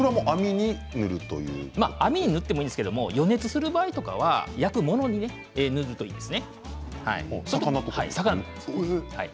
網に塗ってもいいんですが予熱する場合は焼くものに塗るといいですね。